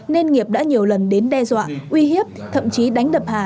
nên nghiệp đã nhiều lần đến đe dọa uy hiếp thậm chí đánh đập hà